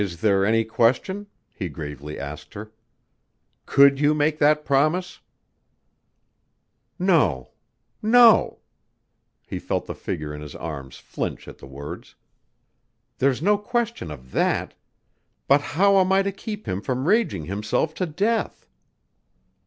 "Is there any question?" he gravely asked her. "Could you make that promise?" "No no!" He felt the figure in his arms flinch at the words, "There's no question of that, but how am I to keep him from raging himself to death?"